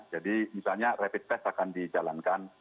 jadi misalnya rapid test akan dijalankan